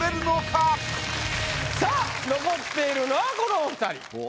さぁ残っているのはこのお２人。